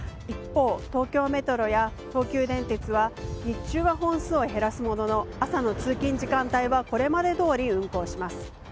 一方、東京メトロや東急電鉄は日中は本数を減らすものの朝の通勤時間帯はこれまでどおり運行します。